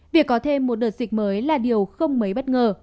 việc có thêm một đợt dịch mới là điều không mấy bất ngờ